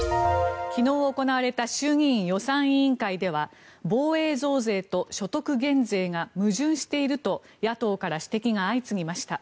昨日行われた衆議院予算委員会では防衛増税と所得減税が矛盾していると野党から指摘が相次ぎました。